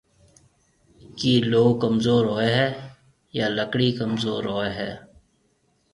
ڪِي لوه ڪمزور هوئي هيَ يان لڪڙِي ڪمزور هوئي هيَ؟